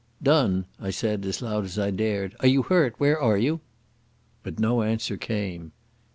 "Donne," I said, as loud as I dared, "are you hurt? Where are you?" But no answer came.